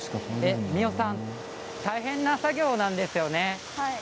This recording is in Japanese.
みよさん大変な作業なんですよね。